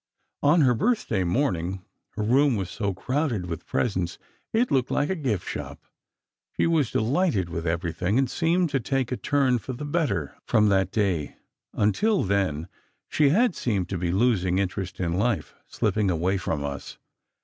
On her Birthday morning her room was so crowded with presents it looked like a giftshop. She was delighted with everything, and seemed to take a turn for the better from that day. Until then she had seemed to be losing interest in life—slipping away from us.